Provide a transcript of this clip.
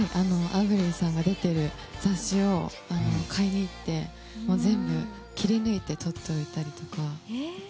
アヴリルさんが出てる雑誌を買いに行って、全部切り抜いてとっておいたりとか。